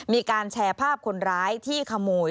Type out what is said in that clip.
มีการแชร์ภาพคนร้ายที่ขโมย